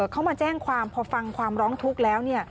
เขามาแจ้งความพอฟังความร้องทุกข์แล้วเนี่ย